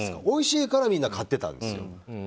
おいしいからみんな買ってたんですよ。